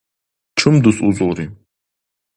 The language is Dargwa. Чум дус узулри?